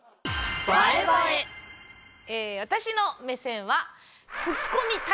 え私の目線はあ！